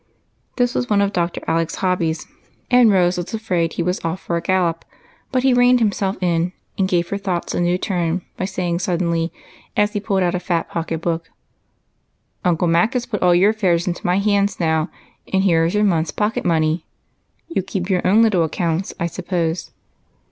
This was one of Dr. Alec's hobbies, and Rose was afraid he was off for a gallop, but he reined himself in and gave her thoughts a new turn by saying suddenly, as he pulled out a fat jDocket book, —" Uncle Mac has put all your affairs into my hands now, and here is your month's pocket money. You keep your own little accounts, I sujopose